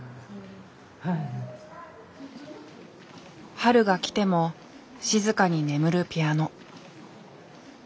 春が来ても静かに眠るピアノ。